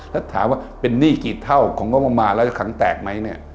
แล้วถามว่าเป็นหนี้กี่เท่าของงบประมาณแล้วจะขังแตกไหมเนี่ย